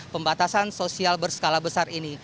pembatasan sosial berskala besar ini